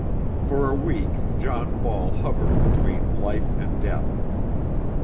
For a week John Ball hovered between life and death.